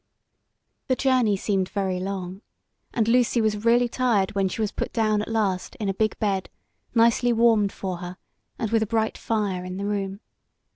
The journey seemed very long; and Lucy was really tired when she was put down at last in a big bed, nicely warmed for her, and with a bright fire in the room.